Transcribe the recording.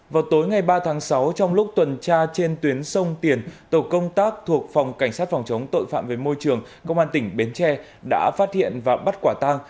vào tối ngày ba tháng sáu trong lúc tuần tra trên tuyến sông tiền tổ công tác thuộc phòng cảnh sát phòng chống tội phạm về môi trường công an tỉnh bến tre đã phát hiện và bắt quả tang